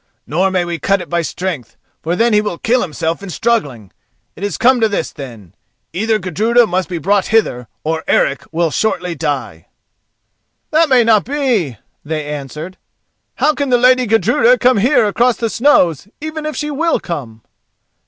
Nor may we cut it by strength, for then he will kill himself in struggling. It is come to this then: either Gudruda must be brought hither or Eric will shortly die." "That may not be," they answered. "How can the lady Gudruda come here across the snows, even if she will come?"